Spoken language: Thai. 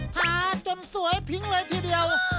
ทานจนสวยพิ้งเลยทีเดียว